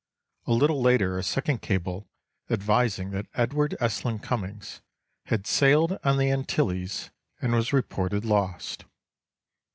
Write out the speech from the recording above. A little later a second cable advising that Edward Estlin Cummings had sailed on the Antilles and was reported lost.